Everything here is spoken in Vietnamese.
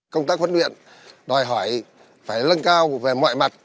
công tác huấn luyện đòi hỏi phải lân cao về mọi mặt